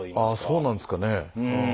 ああそうなんですかね。